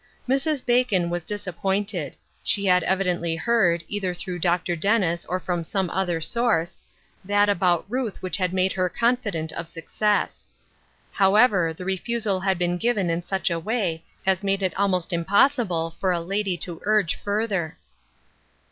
Mrs. Bacon was disappointed. She had evi dently heard, either through Dr. Dennis or from some other source, that about Ruth which had 122 COMING TO AN UNDERSTANDING. made her confident of success. However, the re fusal had been given in such a way as made it almost impossible for a lady to urge further.